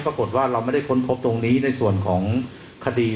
ปรากฏว่าเราไม่ได้ค้นพบตรงนี้ในส่วนของคดี